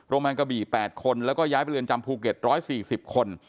กระบี่๘คนแล้วก็ย้ายไปเรือนจำภูเก็ต๑๔๐คน